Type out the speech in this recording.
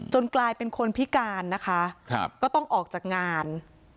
กลายเป็นคนพิการนะคะก็ต้องออกจากงาน